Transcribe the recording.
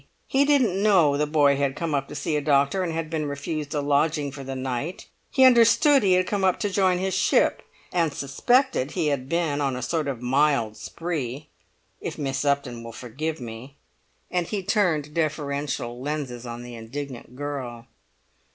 He didn't know the boy had come up to see a doctor and been refused a lodging for the night; he understood he had come up to join his ship, and suspected he had been on a sort of mild spree—if Miss Upton will forgive me!" And he turned deferential lenses on the indignant girl.